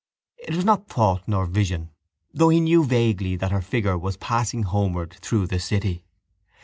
It was not thought nor vision though he knew vaguely that her figure was passing homeward through the city.